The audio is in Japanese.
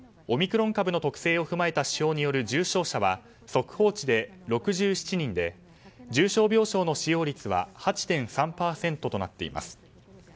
オミクロン株の特性を踏まえた指標による重症者は速報値で６７人で重症病床の使用率は８．３％となっています。